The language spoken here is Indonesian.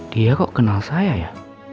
dia kok kenal saya ya